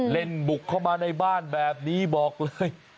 เล่นบุกเข้ามาในบ้านแบบนี้บอกเลย